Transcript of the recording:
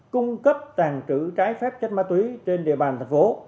cung cấp tàng trữ trái phép chất má túy trên địa bàn thành phố